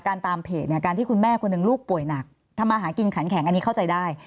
ตามเพจเนี่ยการที่คุณแม่คนหนึ่งลูกป่วยหนักทำมาหากินขันแข็งอันนี้เข้าใจได้